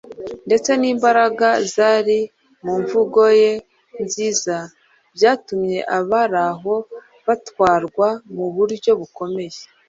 ndetse n’imbaraga zari mu mvugo ye nziza byatumye abari aho batwarwa mu buryo bukomeye.